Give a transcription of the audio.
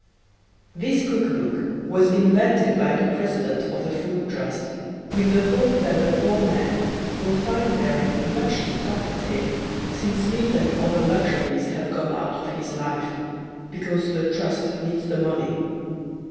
This Cook Book was invented by the President of the Food Trust with the hope that the poor man will find therein much to comfort him since meat and other luxuries have gone out of his life, because the Trust needs the money.